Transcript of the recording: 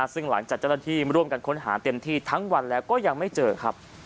ซึ่งหลังจากเจ้าหน้าที่ร่วมกันค้นหาเต็มที่ทั้งวันแล้วก็ยังไม่เจอครับ